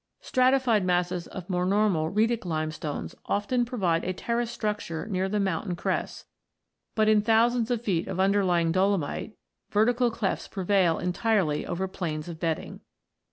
Stratified masses of more normal Rheetic limestones often provide a terraced structure near the mountain crests ; but in thousands of feet of underlying dolomite vertical clefts prevail entirely over planes of bedding.